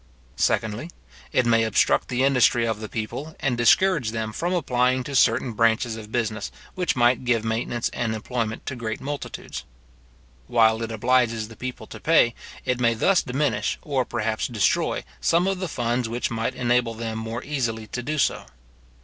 Secondly, it may obstruct the industry of the people, and discourage them from applying to certain branches of business which might give maintenance and employment to great multitudes. While it obliges the people to pay, it may thus diminish, or perhaps destroy, some of the funds which might enable them more easily to do so.